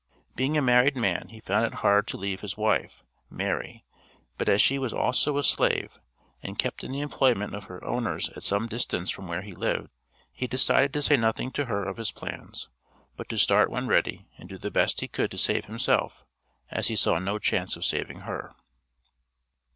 Being a married man he found it hard to leave his wife, Mary, but as she was also a slave, and kept in the employment of her owners at some distance from where he lived, he decided to say nothing to her of his plans, but to start when ready and do the best he could to save himself, as he saw no chance of saving her.